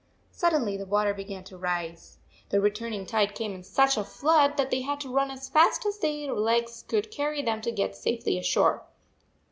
Suddenly the water began to rise. The returning tide came in such a flood that they had to run as fast as their legs could carry them to get safely ashore.